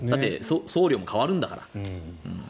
送料も変わるんだから。